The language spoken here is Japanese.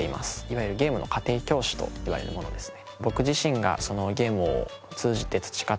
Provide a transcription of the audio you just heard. いわゆるゲームの家庭教師といわれるものですね。